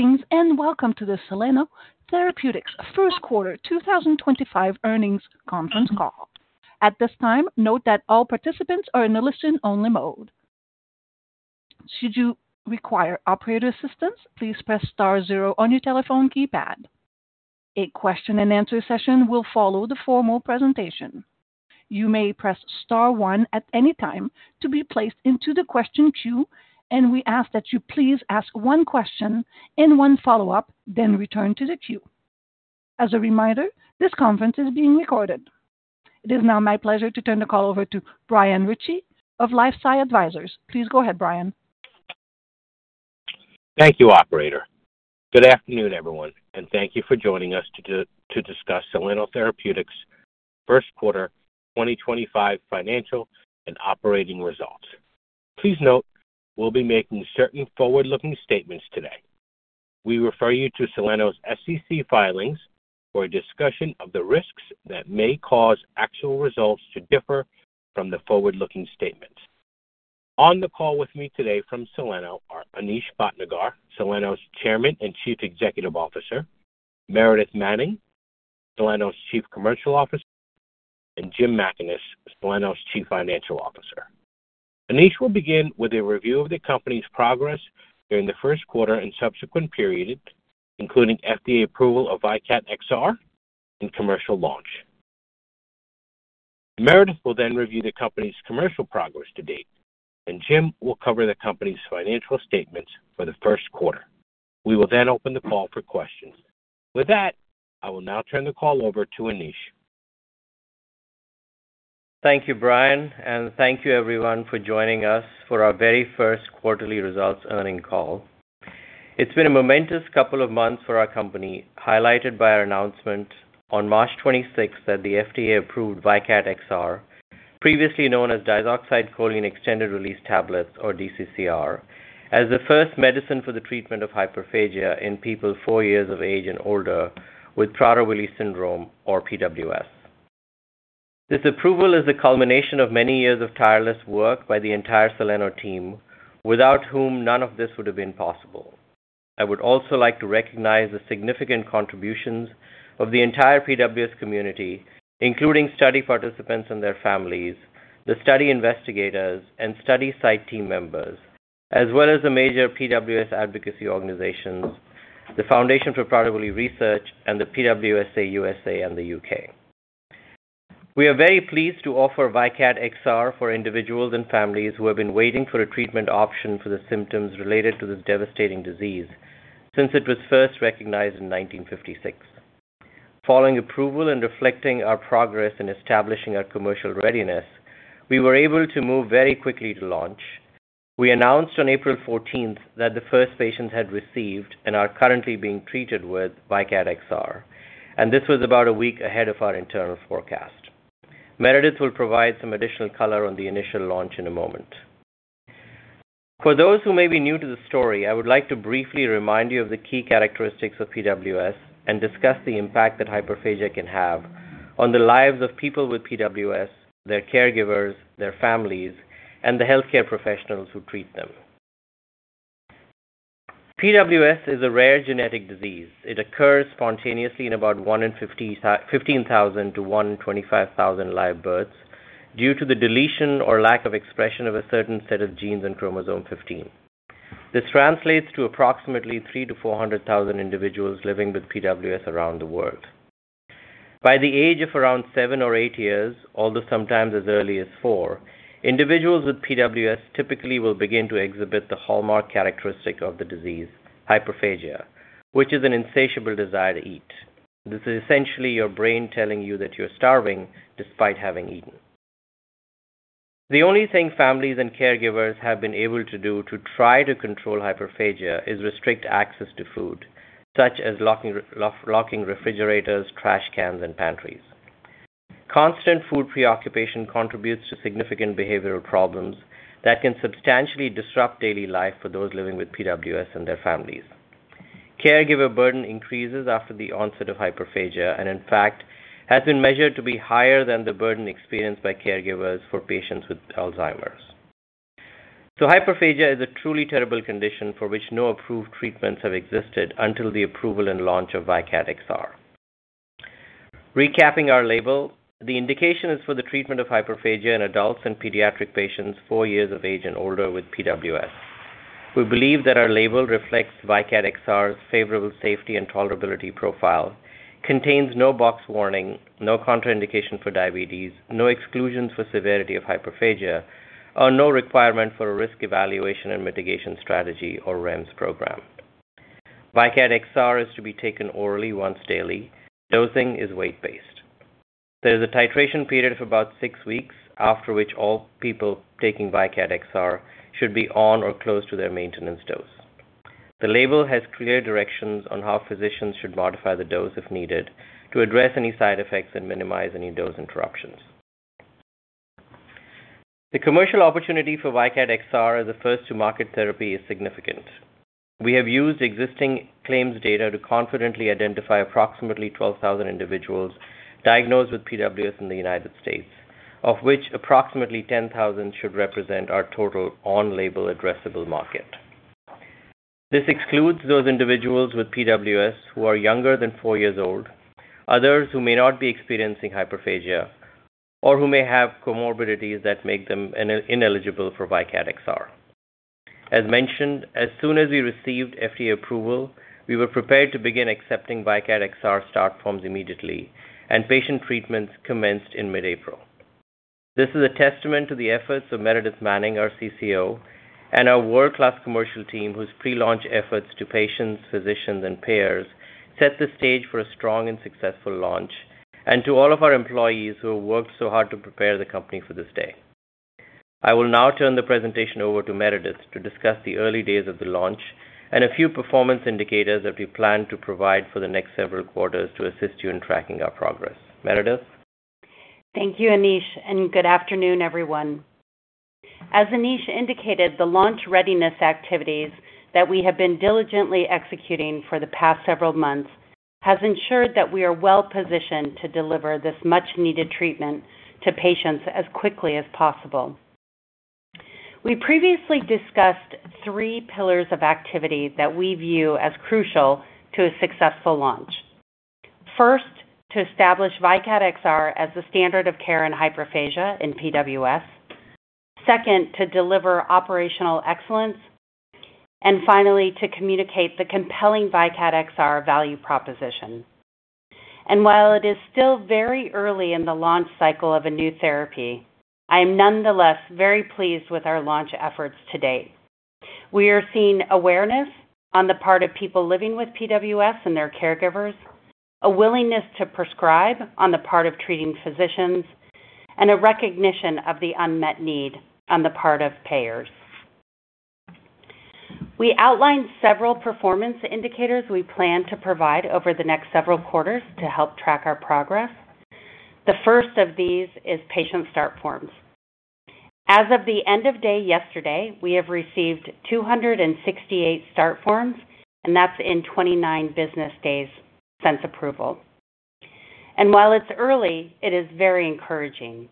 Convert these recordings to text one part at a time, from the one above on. Greetings and welcome to the Soleno Therapeutics First Quarter 2025 Earnings Conference Call. At this time, note that all participants are in a listen-only mode. Should you require operator assistance, please press star zero on your telephone keypad. A question-and-answer session will follow the formal presentation. You may press star one at any time to be placed into the question queue, and we ask that you please ask one question and one follow-up, then return to the queue. As a reminder, this conference is being recorded. It is now my pleasure to turn the call over to Brian Ritchie of LifeSci Advisors. Please go ahead, Brian. Thank you, Operator. Good afternoon, everyone, and thank you for joining us to discuss Soleno Therapeutics first Quarter 2025 Financial and Operating Results. Please note we'll be making certain forward-looking statements today. We refer you to Soleno's SEC filings for a discussion of the risks that may cause actual results to differ from the forward-looking statements. On the call with me today from Soleno are Anish Bhatnagar, Soleno's Chairman and Chief Executive Officer, Meredith Manning, Soleno's Chief Commercial Officer, and Jim Mackaness, Soleno's Chief Financial Officer. Anish will begin with a review of the company's progress during the first quarter and subsequent period, including FDA approval of VYKAT XR and commercial launch. Meredith will then review the company's commercial progress to date, and Jim will cover the company's financial statements for the first quarter. We will then open the call for questions. With that, I will now turn the call over to Anish. Thank you, Brian, and thank you, everyone, for joining us for our very first quarterly results earning call. It's been a momentous couple of months for our company, highlighted by our announcement on March 26 that the FDA approved VYKAT XR, previously known as Diazoxide Choline Extended-Release Tablets, or DCCR, as the first medicine for the treatment of hyperphagia in people four years of age and older with Prader-Willi syndrome, or PWS. This approval is the culmination of many years of tireless work by the entire Soleno team, without whom none of this would have been possible. I would also like to recognize the significant contributions of the entire PWS community, including study participants and their families, the study investigators, and study site team members, as well as the major PWS advocacy organizations, the Foundation for Prader-Willi Research, and the PWSA USA and the UK. We are very pleased to offer VYKAT XR for individuals and families who have been waiting for a treatment option for the symptoms related to this devastating disease since it was first recognized in 1956. Following approval and reflecting our progress in establishing our commercial readiness, we were able to move very quickly to launch. We announced on April 14 that the first patients had received and are currently being treated with VYKAT XR, and this was about a week ahead of our internal forecast. Meredith will provide some additional color on the initial launch in a moment. For those who may be new to the story, I would like to briefly remind you of the key characteristics of PWS and discuss the impact that hyperphagia can have on the lives of people with PWS, their caregivers, their families, and the healthcare professionals who treat them. PWS is a rare genetic disease. It occurs spontaneously in about one in 15,000 to one in 25,000 live births due to the deletion or lack of expression of a certain set of genes in chromosome 15. This translates to approximately 300,000-400,000 individuals living with PWS around the world. By the age of around seven or eight years, although sometimes as early as four, individuals with PWS typically will begin to exhibit the hallmark characteristic of the disease, hyperphagia, which is an insatiable desire to eat. This is essentially your brain telling you that you're starving despite having eaten. The only thing families and caregivers have been able to do to try to control hyperphagia is restrict access to food, such as locking refrigerators, trash cans, and pantries. Constant food preoccupation contributes to significant behavioral problems that can substantially disrupt daily life for those living with PWS and their families. Caregiver burden increases after the onset of hyperphagia and, in fact, has been measured to be higher than the burden experienced by caregivers for patients with Alzheimer's. Hyperphagia is a truly terrible condition for which no approved treatments have existed until the approval and launch of VYKAT XR. Recapping our label, the indication is for the treatment of hyperphagia in adults and pediatric patients four years of age and older with PWS. We believe that our label reflects VYKAT XR's favorable safety and tolerability profile, contains no box warning, no contraindication for diabetes, no exclusions for severity of hyperphagia, or no requirement for a risk evaluation and mitigation strategy or REMS program. VYKAT XR is to be taken orally once daily. Dosing is weight-based. There is a titration period of about six weeks, after which all people taking VYKAT XR should be on or close to their maintenance dose. The label has clear directions on how physicians should modify the dose if needed to address any side effects and minimize any dose interruptions. The commercial opportunity for VYKAT XR as a first-to-market therapy is significant. We have used existing claims data to confidently identify approximately 12,000 individuals diagnosed with PWS in the United States, of which approximately 10,000 should represent our total on-label addressable market. This excludes those individuals with PWS who are younger than four years old, others who may not be experiencing hyperphagia, or who may have comorbidities that make them ineligible for VYKAT XR. As mentioned, as soon as we received FDA approval, we were prepared to begin accepting VYKAT XR start forms immediately, and patient treatments commenced in mid-April. This is a testament to the efforts of Meredith Manning, our CCO, and our world-class commercial team whose pre-launch efforts to patients, physicians, and payers set the stage for a strong and successful launch, and to all of our employees who have worked so hard to prepare the company for this day. I will now turn the presentation over to Meredith to discuss the early days of the launch and a few performance indicators that we plan to provide for the next several quarters to assist you in tracking our progress. Meredith? Thank you, Anish, and good afternoon, everyone. As Anish indicated, the launch readiness activities that we have been diligently executing for the past several months have ensured that we are well-positioned to deliver this much-needed treatment to patients as quickly as possible. We previously discussed three pillars of activity that we view as crucial to a successful launch. First, to establish VYKAT XR as the standard of care in hyperphagia in PWS. Second, to deliver operational excellence. Finally, to communicate the compelling VYKAT XR value proposition. While it is still very early in the launch cycle of a new therapy, I am nonetheless very pleased with our launch efforts to date. We are seeing awareness on the part of people living with PWS and their caregivers, a willingness to prescribe on the part of treating physicians, and a recognition of the unmet need on the part of payers. We outlined several performance indicators we plan to provide over the next several quarters to help track our progress. The first of these is patient start forms. As of the end of day yesterday, we have received 268 start forms, and that is in 29 business days since approval. While it is early, it is very encouraging.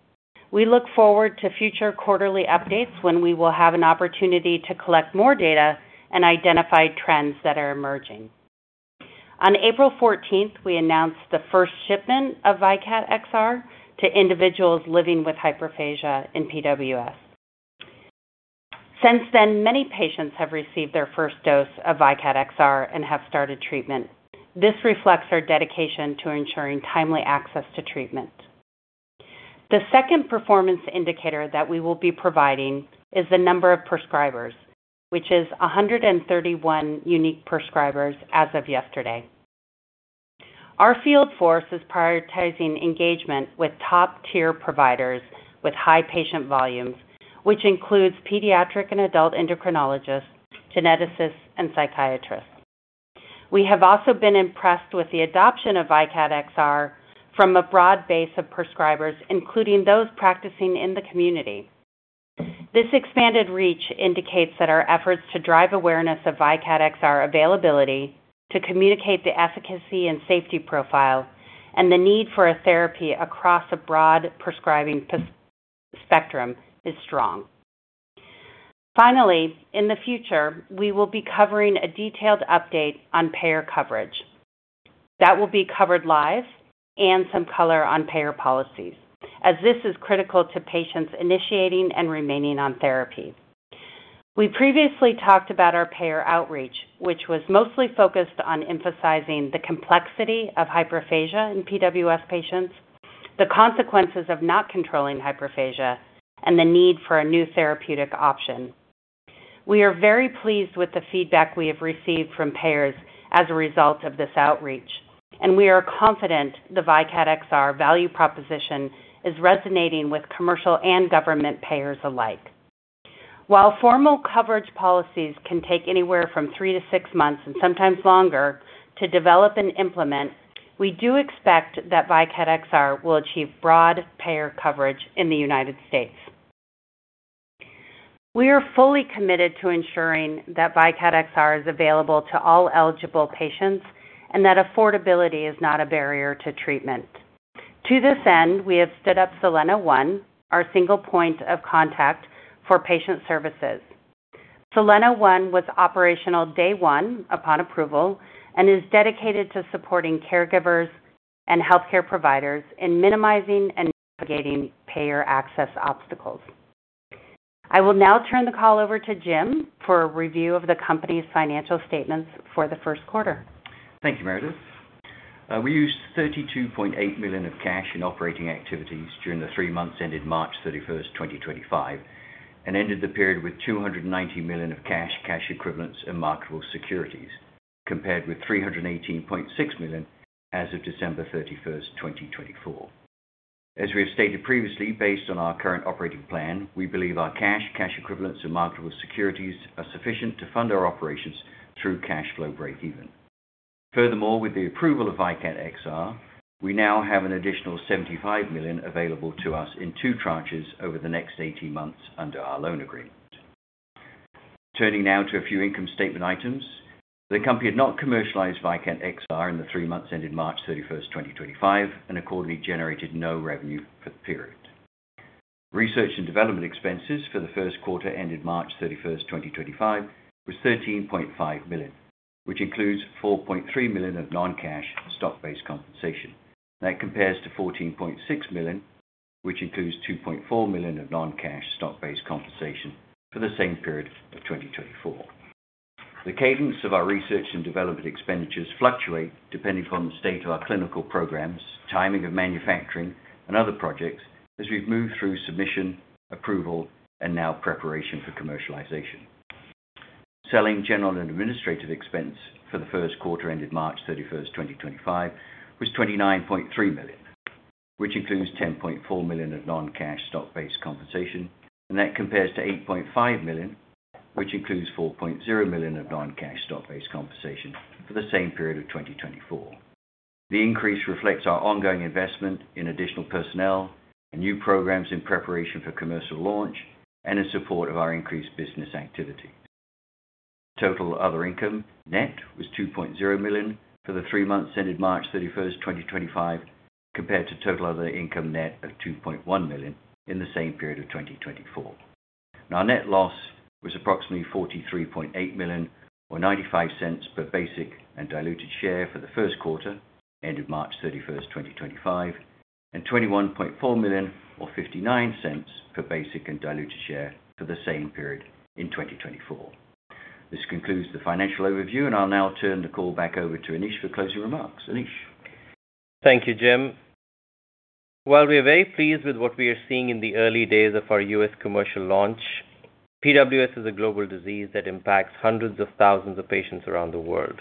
We look forward to future quarterly updates when we will have an opportunity to collect more data and identify trends that are emerging. On April 14th, we announced the first shipment of VYKAT XR to individuals living with hyperphagia in Prader-Willi syndrome. Since then, many patients have received their first dose of VYKAT XR and have started treatment. This reflects our dedication to ensuring timely access to treatment. The second performance indicator that we will be providing is the number of prescribers, which is 131 unique prescribers as of yesterday. Our field force is prioritizing engagement with top-tier providers with high patient volumes, which includes pediatric and adult endocrinologists, geneticists, and psychiatrists. We have also been impressed with the adoption of VYKAT XR from a broad base of prescribers, including those practicing in the community. This expanded reach indicates that our efforts to drive awareness of VYKAT XR availability, to communicate the efficacy and safety profile, and the need for a therapy across a broad prescribing spectrum is strong. Finally, in the future, we will be covering a detailed update on payer coverage. That will be covered live and some color on payer policies, as this is critical to patients initiating and remaining on therapy. We previously talked about our payer outreach, which was mostly focused on emphasizing the complexity of hyperphagia in PWS patients, the consequences of not controlling hyperphagia, and the need for a new therapeutic option. We are very pleased with the feedback we have received from payers as a result of this outreach, and we are confident the VYKAT XR value proposition is resonating with commercial and government payers alike. While formal coverage policies can take anywhere from three to six months and sometimes longer to develop and implement, we do expect that VYKAT XR will achieve broad payer coverage in the United States. We are fully committed to ensuring that VYKAT XR is available to all eligible patients and that affordability is not a barrier to treatment. To this end, we have stood up Soleno One, our single point of contact for patient services. Soleno One was operational day one upon approval and is dedicated to supporting caregivers and healthcare providers in minimizing and mitigating payer access obstacles. I will now turn the call over to Jim for a review of the company's financial statements for the first quarter. Thank you, Meredith. We used $32.8 million of cash in operating activities during the three months ended March 31st, 2025, and ended the period with $290 million of cash, cash equivalents, and marketable securities, compared with $318.6 million as of December 31st, 2024. As we have stated previously, based on our current operating plan, we believe our cash, cash equivalents, and marketable securities are sufficient to fund our operations through cash flow break-even. Furthermore, with the approval of VYKAT XR, we now have an additional $75 million available to us in two tranches over the next 18 months under our loan agreement. Turning now to a few income statement items, the company had not commercialized VYKAT XR in the three months ended March 31st, 2025, and accordingly generated no revenue for the period. Research and development expenses for the first quarter ended March 31st, 2025, were $13.5 million, which includes $4.3 million of non-cash stock-based compensation. That compares to $14.6 million, which includes $2.4 million of non-cash stock-based compensation for the same period of 2024. The cadence of our research and development expenditures fluctuates depending upon the state of our clinical programs, timing of manufacturing, and other projects as we've moved through submission, approval, and now preparation for commercialization. Selling, general, and administrative expense for the first quarter ended March 31st, 2025, was $29.3 million, which includes $10.4 million of non-cash stock-based compensation, and that compares to $8.5 million, which includes $4.0 million of non-cash stock-based compensation for the same period of 2024. The increase reflects our ongoing investment in additional personnel, new programs in preparation for commercial launch, and in support of our increased business activity. Total other income net was $2.0 million for the three months ended March 31st, 2025, compared to total other income net of $2.1 million in the same period of 2024. Our net loss was approximately $43.8 million, or $0.95 per basic and diluted share for the first quarter ended March 31st, 2025, and $21.4 million, or $0.59 per basic and diluted share for the same period in 2024. This concludes the financial overview, and I'll now turn the call back over to Anish for closing remarks. Anish. Thank you, Jim. While we are very pleased with what we are seeing in the early days of our U.S. commercial launch, PWS is a global disease that impacts hundreds of thousands of patients around the world.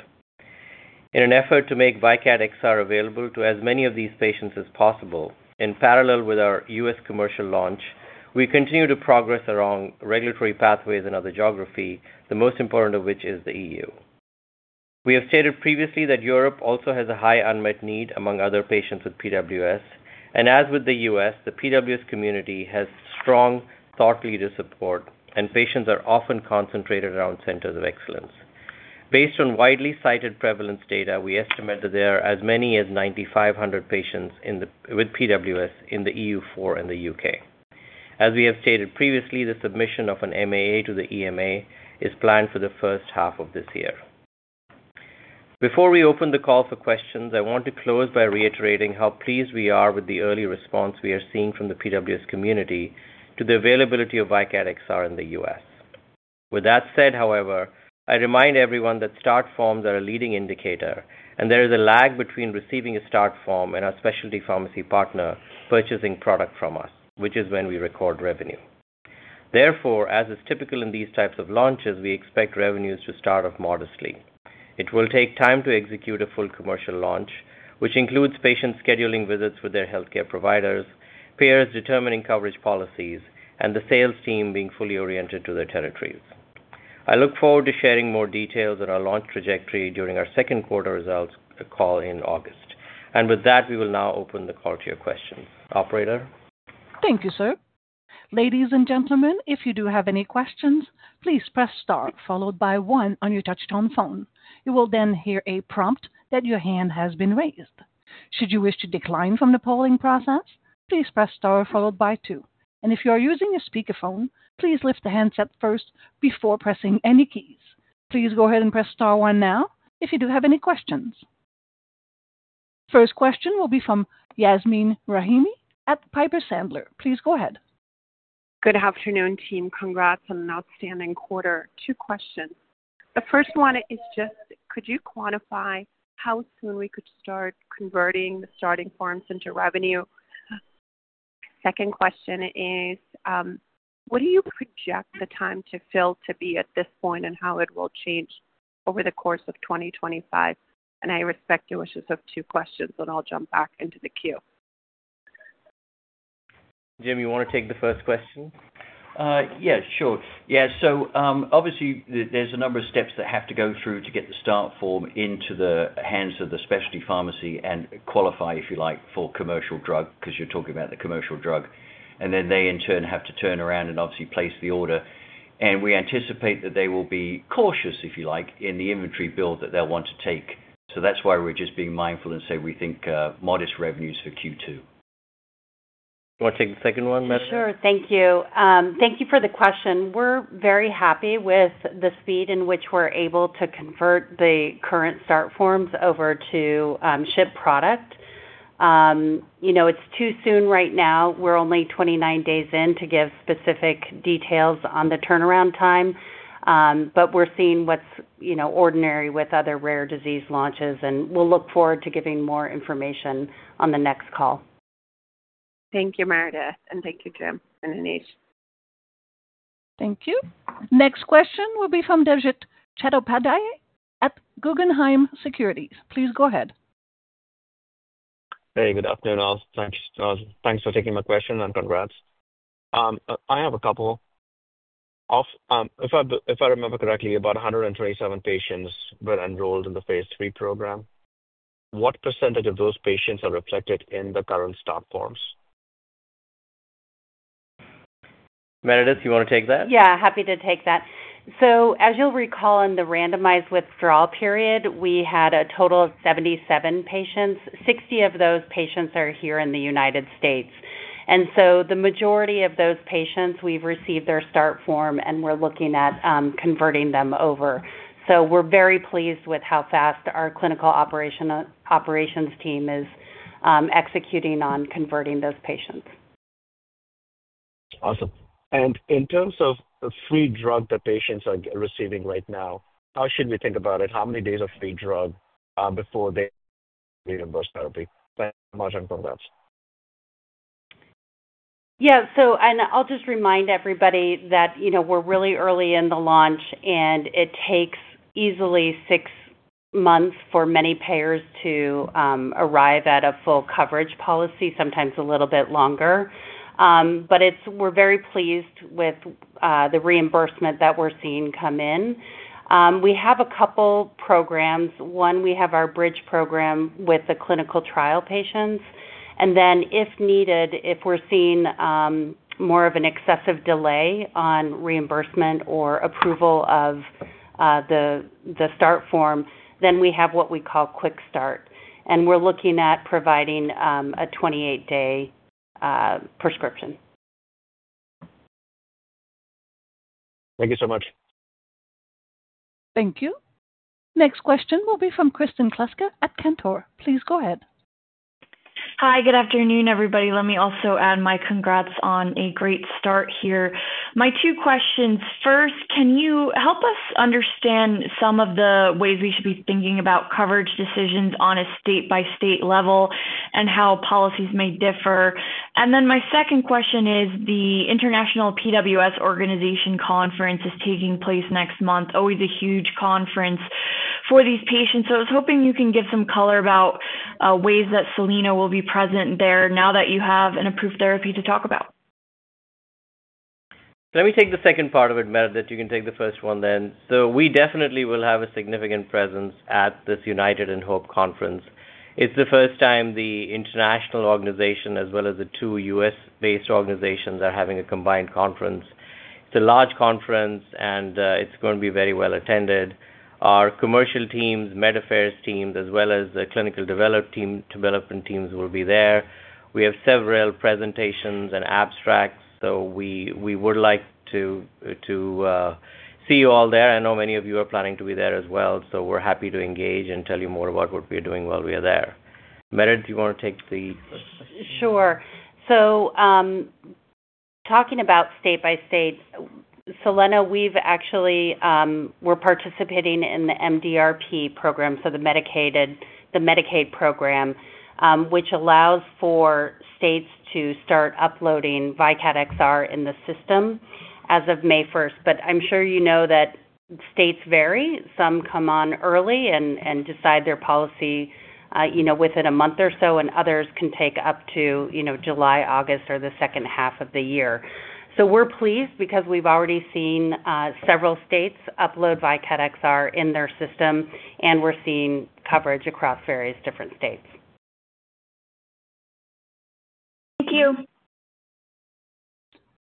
In an effort to make VYKAT XR available to as many of these patients as possible, in parallel with our U.S. commercial launch, we continue to progress along regulatory pathways in other geographies, the most important of which is the EU. We have stated previously that Europe also has a high unmet need among patients with PWS, and as with the U.S., the PWS community has strong thought-leader support, and patients are often concentrated around centers of excellence. Based on widely cited prevalence data, we estimate that there are as many as 9,500 patients with PWS in the EU, four in the U.K. As we have stated previously, the submission of an MAA to the EMA is planned for the first half of this year. Before we open the call for questions, I want to close by reiterating how pleased we are with the early response we are seeing from the PWS community to the availability of VYKAT XR in the U.S. With that said, however, I remind everyone that start forms are a leading indicator, and there is a lag between receiving a start form and our specialty pharmacy partner purchasing product from us, which is when we record revenue. Therefore, as is typical in these types of launches, we expect revenues to start off modestly. It will take time to execute a full commercial launch, which includes patients scheduling visits with their healthcare providers, payers determining coverage policies, and the sales team being fully oriented to their territories. I look forward to sharing more details on our launch trajectory during our second quarter results call in August. With that, we will now open the call to your questions. Operator. Thank you, sir. Ladies and gentlemen, if you do have any questions, please press star followed by one on your touch-tone phone. You will then hear a prompt that your hand has been raised. Should you wish to decline from the polling process, please press star followed by two. If you're using a speakerphone, please lift the handset first before pressing any keys. Please go ahead and press star one now if you do have any questions. First question will be from Yasmeen Rahimi at Piper Sandler. Please go ahead. Good afternoon, team. Congrats on an outstanding quarter. Two questions. The first one is just, could you quantify how soon we could start converting the starting forms into revenue? Second question is, what do you project the time to fill to be at this point and how it will change over the course of 2025? I respect your wishes of two questions, and I'll jump back into the queue. Jim, you want to take the first question? Yeah, sure. Yeah, so obviously, there's a number of steps that have to go through to get the start form into the hands of the specialty pharmacy and qualify, if you like, for commercial drug because you're talking about the commercial drug. They, in turn, have to turn around and obviously place the order. We anticipate that they will be cautious, if you like, in the inventory build that they'll want to take. That's why we're just being mindful and say we think modest revenues for Q2. Do you want to take the second one, Meredith? Sure. Thank you. Thank you for the question. We're very happy with the speed in which we're able to convert the current start forms over to ship product. It's too soon right now. We're only 29 days in to give specific details on the turnaround time, but we're seeing what's ordinary with other rare disease launches, and we'll look forward to giving more information on the next call. Thank you, Meredith, and thank you, Jim and Anish. Thank you. Next question will be from Debjit Chattopadhyay at Guggenheim Securities. Please go ahead. Hey, good afternoon all. Thanks for taking my question and congrats. I have a couple. If I remember correctly, about 127 patients were enrolled in the phase three program. What percentage of those patients are reflected in the current start forms? Meredith, you want to take that? Yeah, happy to take that. As you'll recall, in the randomized withdrawal period, we had a total of 77 patients. 60 of those patients are here in the United States. The majority of those patients, we've received their start form, and we're looking at converting them over. We're very pleased with how fast our clinical operations team is executing on converting those patients. Awesome. In terms of the free drug that patients are receiving right now, how should we think about it? How many days of free drug before they reimburse therapy? Thanks so much and congrats. Yeah, so I'll just remind everybody that we're really early in the launch, and it takes easily six months for many payers to arrive at a full coverage policy, sometimes a little bit longer. We're very pleased with the reimbursement that we're seeing come in. We have a couple of programs. One, we have our bridge program with the clinical trial patients. If needed, if we're seeing more of an excessive delay on reimbursement or approval of the start form, we have what we call Quick Start. We're looking at providing a 28-day prescription. Thank you so much. Thank you. Next question will be from Kristen Kluska at Cantor. Please go ahead. Hi, good afternoon, everybody. Let me also add my congrats on a great start here. My two questions. First, can you help us understand some of the ways we should be thinking about coverage decisions on a state-by-state level and how policies may differ? My second question is the International PWS Organization Conference is taking place next month, always a huge conference for these patients. I was hoping you can give some color about ways that Soleno will be present there now that you have an approved therapy to talk about. Let me take the second part of it, Meredith. You can take the first one then. We definitely will have a significant presence at this United and Hope Conference. It is the first time the international organization, as well as the two U.S.-based organizations, are having a combined conference. It is a large conference, and it is going to be very well attended. Our commercial teams, med affairs teams, as well as the clinical development teams, will be there. We have several presentations and abstracts, so we would like to see you all there. I know many of you are planning to be there as well, so we are happy to engage and tell you more about what we are doing while we are there. Meredith, you want to take the first question? Sure. Talking about state-by-state, Soleno, we're participating in the MDRP program, so the Medicaid program, which allows for states to start uploading VYKAT XR in the system as of May 1st. I'm sure you know that states vary. Some come on early and decide their policy within a month or so, and others can take up to July, August, or the second half of the year. We're pleased because we've already seen several states upload VYKAT XR in their system, and we're seeing coverage across various different states. Thank you.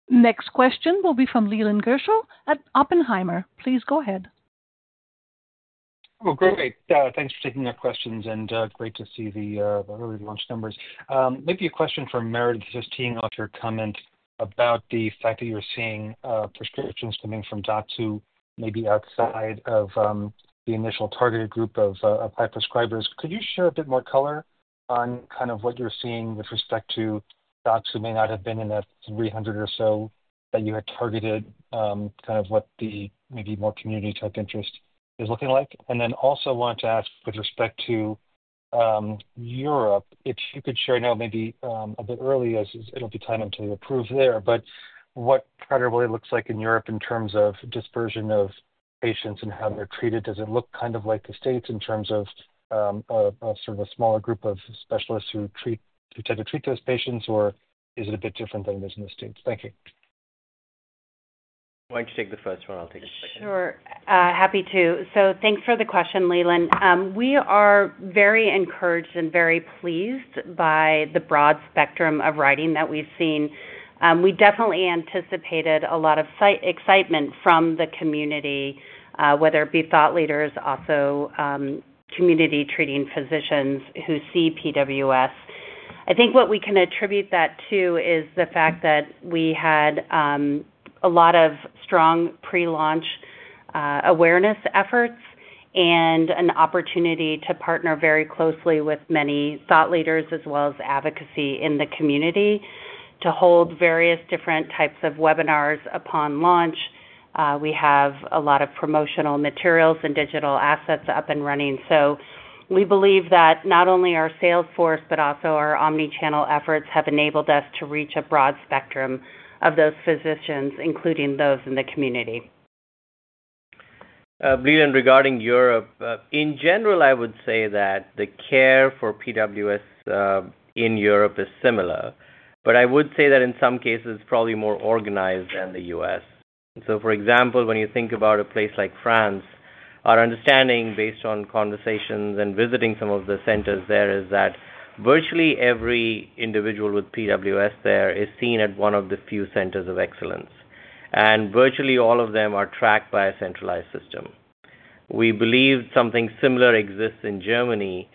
Next question will be from Leland Gershell at Oppenheimer. Please go ahead. Oh, great. Thanks for taking our questions, and great to see the early launch numbers. Maybe a question for Meredith just teeing off your comment about the fact that you're seeing prescriptions coming from VYKAT XR maybe outside of the initial targeted group of prescribers. Could you share a bit more color on kind of what you're seeing with respect to VYKAT XR may not have been in that 300 or so that you had targeted, kind of what the maybe more community-type interest is looking like? Also want to ask with respect to Europe, if you could share now maybe a bit early as it'll be time until you approve there, but what Prader-Willi looks like in Europe in terms of dispersion of patients and how they're treated? Does it look kind of like the states in terms of sort of a smaller group of specialists who tend to treat those patients, or is it a bit different than it is in the states? Thank you. Why don't you take the first one? I'll take the second. Sure. Happy to. So thanks for the question, Leland. We are very encouraged and very pleased by the broad spectrum of writing that we've seen. We definitely anticipated a lot of excitement from the community, whether it be thought leaders, also community-treating physicians who see PWS. I think what we can attribute that to is the fact that we had a lot of strong pre-launch awareness efforts and an opportunity to partner very closely with many thought leaders as well as advocacy in the community to hold various different types of webinars upon launch. We have a lot of promotional materials and digital assets up and running. So we believe that not only our salesforce, but also our omnichannel efforts have enabled us to reach a broad spectrum of those physicians, including those in the community. Leland, regarding Europe, in general, I would say that the care for PWS in Europe is similar, but I would say that in some cases, it's probably more organized than the U.S. For example, when you think about a place like France, our understanding based on conversations and visiting some of the centers there is that virtually every individual with PWS there is seen at one of the few centers of excellence. Virtually all of them are tracked by a centralized system. We believe something similar exists in Germany,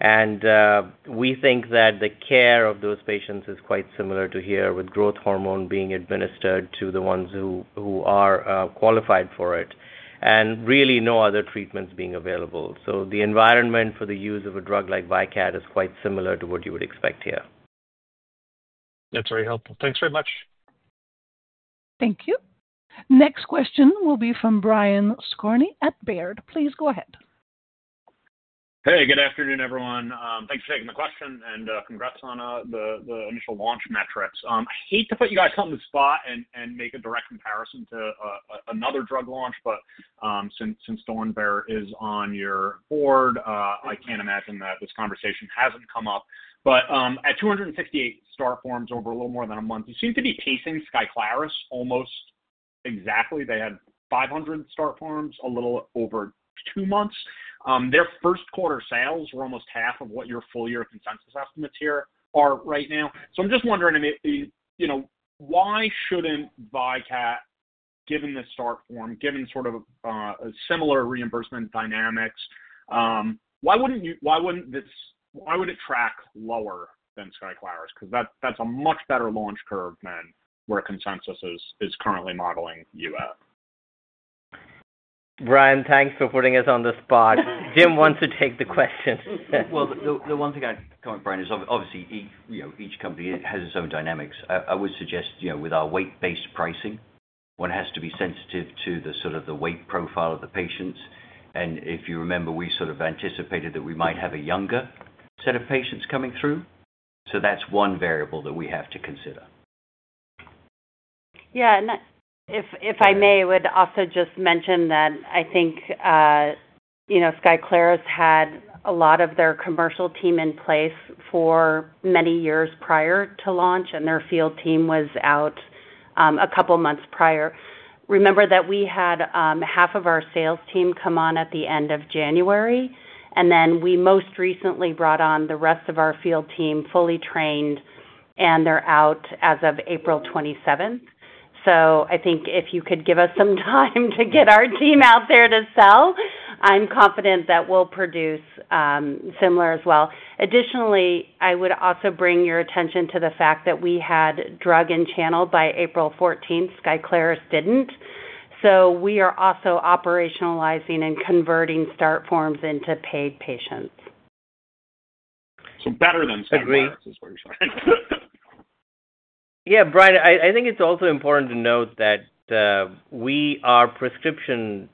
and we think that the care of those patients is quite similar to here with growth hormone being administered to the ones who are qualified for it and really no other treatments being available. The environment for the use of a drug like VYKAT XR is quite similar to what you would expect here. That's very helpful. Thanks very much. Thank you. Next question will be from Brian Skorney at Baird. Please go ahead. Hey, good afternoon, everyone. Thanks for taking the question and congrats on the initial launch metrics. I hate to put you guys on the spot and make a direct comparison to another drug launch, but since Dornbär is on your board, I can't imagine that this conversation hasn't come up. At 268 start forms over a little more than a month, you seem to be pacing Skyclarys almost exactly. They had 500 start forms a little over two months. Their first quarter sales were almost half of what your full-year consensus estimates here are right now. I'm just wondering, why shouldn't VYKAT, given this start form, given sort of similar reimbursement dynamics, why wouldn't it track lower than Skyclarys? That is a much better launch curve than where consensus is currently modeling you at. Brian, thanks for putting us on the spot. Jim wants to take the question. The one thing I'd comment, Brian, is obviously each company has its own dynamics. I would suggest with our weight-based pricing, one has to be sensitive to the sort of the weight profile of the patients. If you remember, we sort of anticipated that we might have a younger set of patients coming through. That's one variable that we have to consider. Yeah. If I may, I would also just mention that I think Skyclarys had a lot of their commercial team in place for many years prior to launch, and their field team was out a couple of months prior. Remember that we had half of our sales team come on at the end of January, and then we most recently brought on the rest of our field team fully trained, and they're out as of April 27th. I think if you could give us some time to get our team out there to sell, I'm confident that we'll produce similar as well. Additionally, I would also bring your attention to the fact that we had drug in channel by April 14th. Skyclarys did not. We are also operationalizing and converting start forms into paid patients. Better than Skyclarys. Agree. Yeah, Brian, I think it's also important to note that our prescription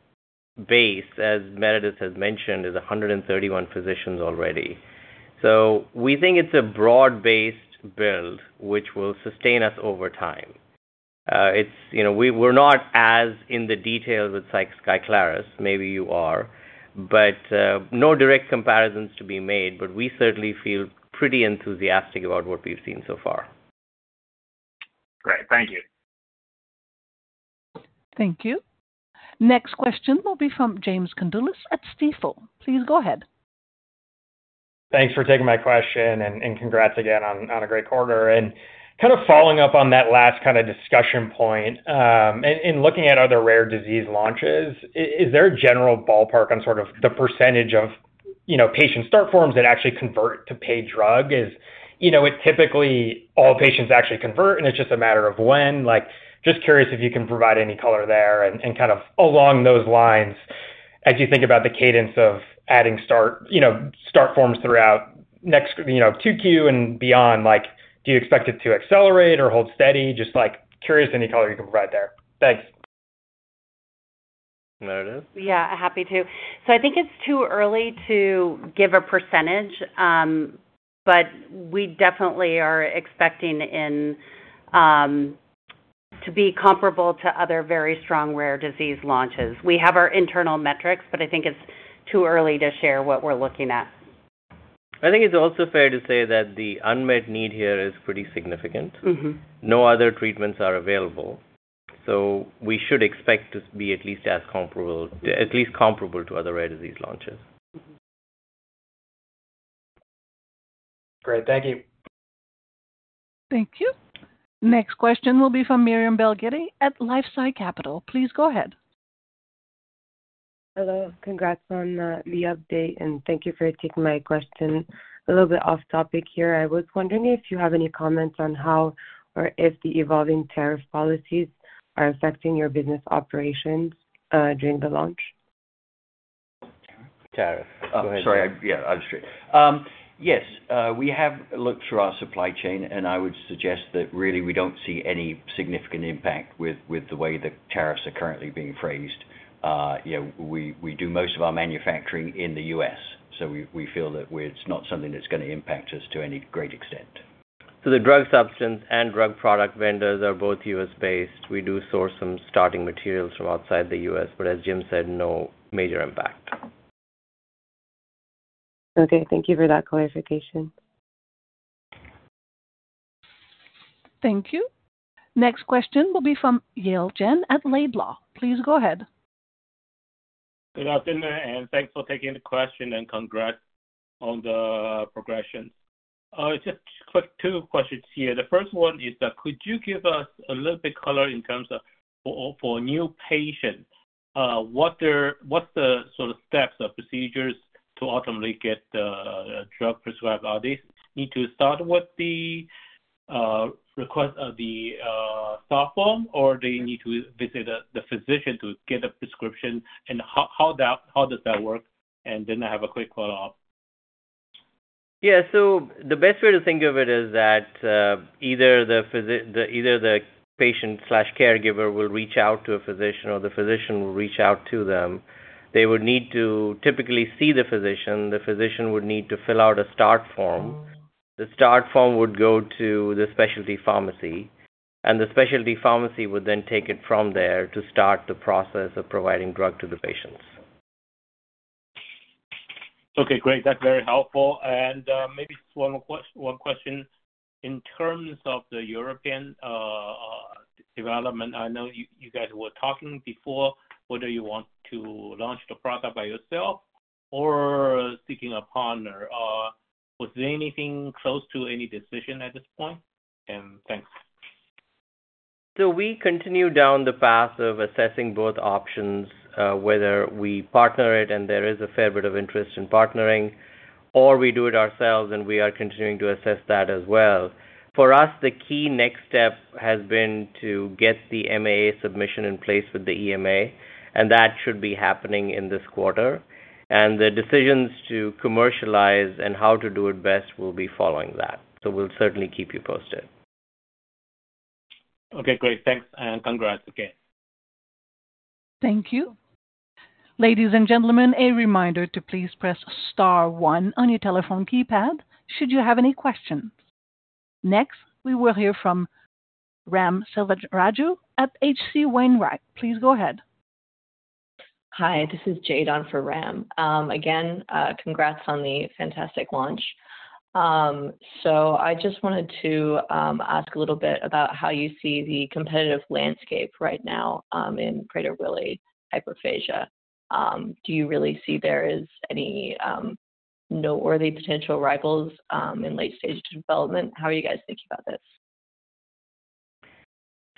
base, as Meredith has mentioned, is 131 physicians already. We think it's a broad-based build, which will sustain us over time. We're not as in the details with Skyclarys. Maybe you are, but no direct comparisons to be made, but we certainly feel pretty enthusiastic about what we've seen so far. Great. Thank you. Thank you. Next question will be from James Condulis at Stifel. Please go ahead. Thanks for taking my question and congrats again on a great quarter. Kind of following up on that last kind of discussion point, in looking at other rare disease launches, is there a general ballpark on sort of the percentage of patient start forms that actually convert to paid drug? Is it typically all patients actually convert, and it's just a matter of when? Just curious if you can provide any color there and kind of along those lines, as you think about the cadence of adding start forms throughout Q2 and beyond, do you expect it to accelerate or hold steady? Just curious any color you can provide there. Thanks. Meredith? Yeah, happy to. I think it's too early to give a percentage, but we definitely are expecting to be comparable to other very strong rare disease launches. We have our internal metrics, but I think it's too early to share what we're looking at. I think it's also fair to say that the unmet need here is pretty significant. No other treatments are available. We should expect to be at least as comparable to other rare disease launches. Great. Thank you. Thank you. Next question will be from Myriam Belghiti at LifeSci Capital. Please go ahead. Hello. Congrats on the update, and thank you for taking my question. A little bit off topic here. I was wondering if you have any comments on how or if the evolving tariff policies are affecting your business operations during the launch. Tariff, go ahead. Sorry. Yeah, I'm just curious. Yes, we have looked through our supply chain, and I would suggest that really we don't see any significant impact with the way the tariffs are currently being phrased. We do most of our manufacturing in the U.S., so we feel that it's not something that's going to impact us to any great extent. The drug substance and drug product vendors are both U.S.-based. We do source some starting materials from outside the U.S., but as Jim said, no major impact. Okay. Thank you for that clarification. Thank you. Next question will be from Yale Jen at Laidlaw. Please go ahead. Good afternoon, and thanks for taking the question and congrats on the progressions. Just quick two questions here. The first one is that could you give us a little bit color in terms of for a new patient, what's the sort of steps or procedures to ultimately get the drug prescribed? Do they need to start with the request of the soft form, or do they need to visit the physician to get a prescription? How does that work? I have a quick follow-up. Yeah. The best way to think of it is that either the patient/caregiver will reach out to a physician or the physician will reach out to them. They would need to typically see the physician. The physician would need to fill out a start form. The start form would go to the specialty pharmacy, and the specialty pharmacy would then take it from there to start the process of providing drug to the patients. Okay. Great. That's very helpful. Maybe one question. In terms of the European development, I know you guys were talking before. Whether you want to launch the product by yourself or seeking a partner, was there anything close to any decision at this point? Thanks. We continue down the path of assessing both options, whether we partner it and there is a fair bit of interest in partnering, or we do it ourselves, and we are continuing to assess that as well. For us, the key next step has been to get the MAA submission in place with the EMA, and that should be happening in this quarter. The decisions to commercialize and how to do it best will be following that. We'll certainly keep you posted. Okay. Great. Thanks, and congrats again. Thank you. Ladies and gentlemen, a reminder to please press star one on your telephone keypad should you have any questions. Next, we will hear from Ram Selvagraju at HC Wainwright. Please go ahead. Hi. This is Jaydon for Ram. Again, congrats on the fantastic launch. I just wanted to ask a little bit about how you see the competitive landscape right now in Prader-Willi hyperphagia. Do you really see there is any noteworthy potential rivals in late-stage development? How are you guys thinking about this?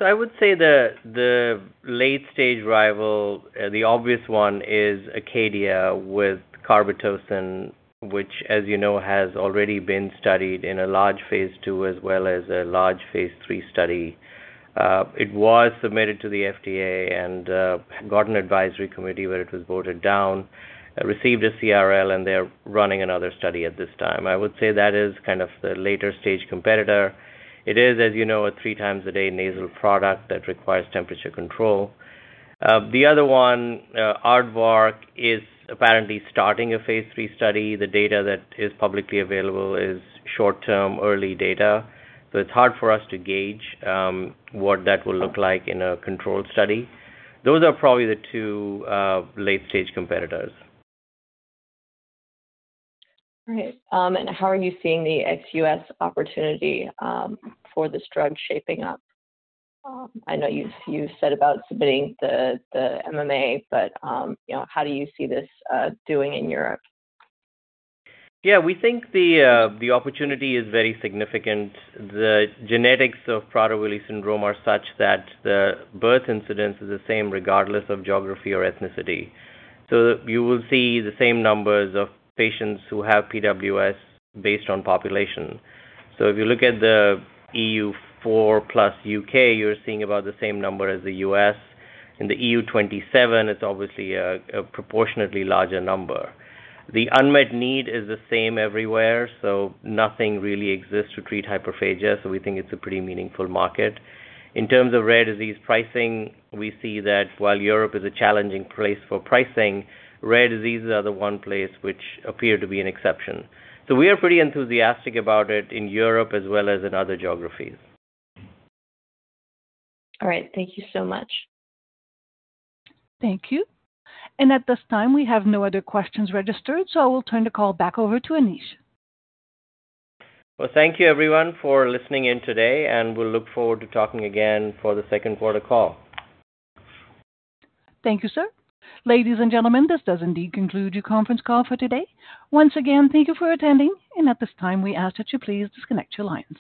I would say the late-stage rival, the obvious one, is Acadia with carbetocin, which, as you know, has already been studied in a large phase two as well as a large phase three study. It was submitted to the FDA and got an advisory committee where it was voted down, received a CRL, and they're running another study at this time. I would say that is kind of the later-stage competitor. It is, as you know, a three-times-a-day nasal product that requires temperature control. The other one, Aardvark, is apparently starting a phase three study. The data that is publicly available is short-term, early data. It is hard for us to gauge what that will look like in a controlled study. Those are probably the two late-stage competitors. All right. How are you seeing the ex-U.S. opportunity for this drug shaping up? I know you said about submitting the MAA, but how do you see this doing in Europe? Yeah. We think the opportunity is very significant. The genetics of Prader-Willi syndrome are such that the birth incidence is the same regardless of geography or ethnicity. You will see the same numbers of patients who have PWS based on population. If you look at the EU4 plus U.K., you're seeing about the same number as the U.S. In the EU27, it's obviously a proportionately larger number. The unmet need is the same everywhere, so nothing really exists to treat hyperphagia, so we think it's a pretty meaningful market. In terms of rare disease pricing, we see that while Europe is a challenging place for pricing, rare diseases are the one place which appear to be an exception. We are pretty enthusiastic about it in Europe as well as in other geographies. All right. Thank you so much. Thank you. At this time, we have no other questions registered, so I will turn the call back over to Anish. Thank you, everyone, for listening in today, and we'll look forward to talking again for the second quarter call. Thank you, sir. Ladies and gentlemen, this does indeed conclude your conference call for today. Once again, thank you for attending, and at this time, we ask that you please disconnect your lines.